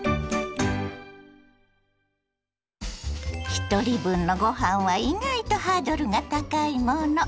ひとり分のごはんは意外とハードルが高いもの。